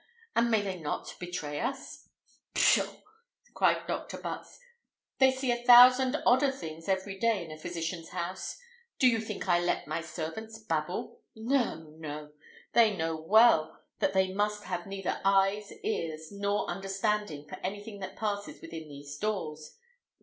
and may they not betray us?" "Pshaw!" cried Dr. Butts; "they see a thousand odder things every day in a physician's house. Do you think I let my servants babble? No, no! They know well that they must have neither eyes, ears, nor understanding for anything that passes within these doors.